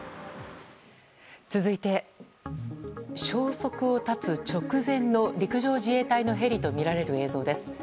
続いて、消息を絶つ直前の陸上自衛隊のヘリとみられる映像です。